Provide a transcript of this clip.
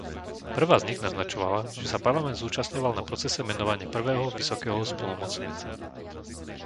Prvá z nich naznačovala, že sa Parlament zúčastňoval na procese menovania prvého vysokého splnomocnenca.